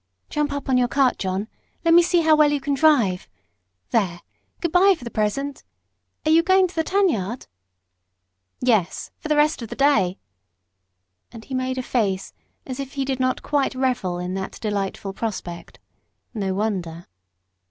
"Jump up on your cart, John. Let me see how well you can drive. There good bye, for the present. Are you going to the tan yard?" "Yes for the rest of the day." And he made a face as if he did not quite revel in that delightful prospect. No wonder!